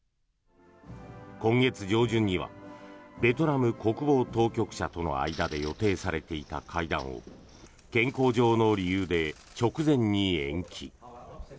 今月上旬にはベトナム国防当局者との間で予定されていた会談を健康上の理由で直前に延期。